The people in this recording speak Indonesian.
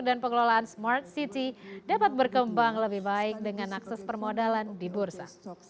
pengelolaan smart city dapat berkembang lebih baik dengan akses permodalan di bursa